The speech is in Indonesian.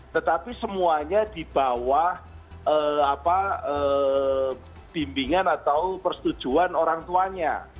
tetapi semuanya di bawah bimbingan atau persetujuan orang tuanya